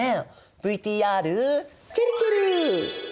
ＶＴＲちぇるちぇる！